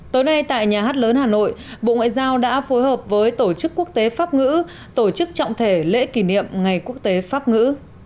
tối nay tại nhà hát lớn hà nội bộ ngoại giao đã phối hợp với tổ chức quốc tế pháp ngữ tổ chức trọng thể lễ kỷ niệm ngày quốc tế pháp ngữ